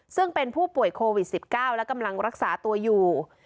ซึ่งเป็นผู้ป่วยโควิด๑๙และกำลังรักษาตัวอยู่